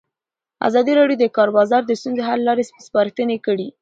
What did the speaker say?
ازادي راډیو د د کار بازار د ستونزو حل لارې سپارښتنې کړي.